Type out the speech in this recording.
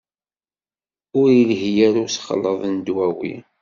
Ur ilhi ara usexleḍ n ddwawi.